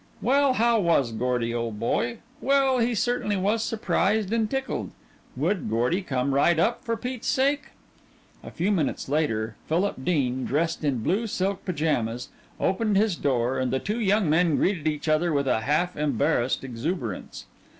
Well, how was Gordy, old boy! Well, he certainly was surprised and tickled! Would Gordy come right up, for Pete's sake! A few minutes later Philip Dean, dressed in blue silk pajamas, opened his door and the two young men greeted each other with a half embarrassed exuberance.